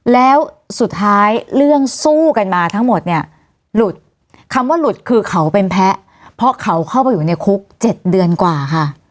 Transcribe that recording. แล้วสุดท้ายเรื่องสู้กันมาทั้งหมดเนี่ยหลุดคำว่าหลุดคือเขาเป็นแพ้เพราะเขาเข้าไปอยู่ในคุก๗เดือนกว่าค่ะ